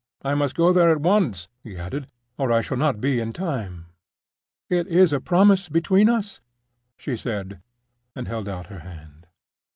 "I must go there at once," he added, "or I shall not be in time." "It is a promise between us?" she said, and held out her hand.